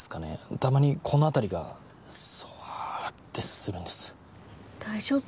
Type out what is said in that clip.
たまにこの辺りがぞわってするんです大丈夫？